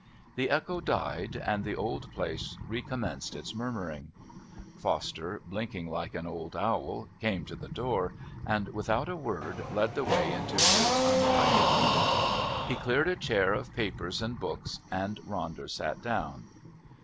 The echo died, and the old place recommenced its murmuring. Foster, blinking like an old owl, came to the door and, without a word, led the way into his untidy room. He cleared a chair of papers and books and Ronder sat down.